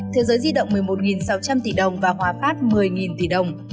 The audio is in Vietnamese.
thế giới di động một mươi một sáu trăm linh tỷ đồng và hóa phát một mươi tỷ đồng